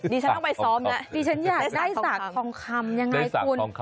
ดิฉันต้องไปซ้อมแล้วดิฉันอยากได้สากทองคำยังไงคุณ